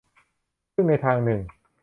ซึ่งในทางหนึ่ง